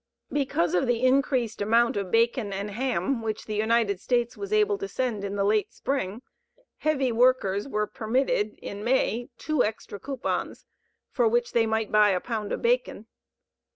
Because of the increased amount of bacon and ham which the United States was able to send in the late spring, heavy workers were permitted in May 2 extra coupons, for which they might buy a pound of bacon.